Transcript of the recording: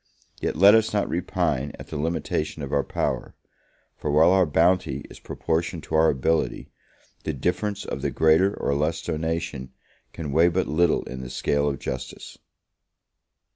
yet let us not repine at the limitation of our power; for while our bounty is proportioned to our ability, the difference of the greater or less donation can weigh but little in the scale of justice.